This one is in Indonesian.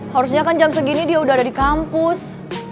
harusnya kan jam segini dia udah ada di kampus